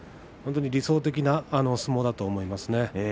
本当に理想的な相撲だと思います。